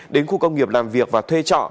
đến khu công nghiệp làm việc và thuê chợ